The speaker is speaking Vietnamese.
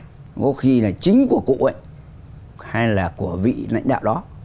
có khi là chính của cụ ấy hay là của vị lãnh đạo đó